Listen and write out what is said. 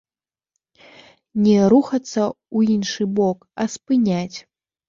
Не рухацца ў іншы бок, а спыняць.